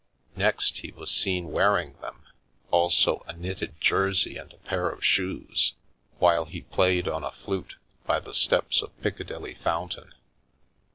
Next he was seen wearing them, also a knitted jersey and a pair of shoes, while he played on a flute by the steps of Piccadilly fountain.